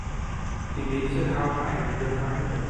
Die Mädchen haben einige Feinde.